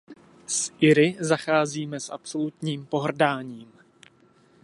S Iry zacházíme s absolutním pohrdáním.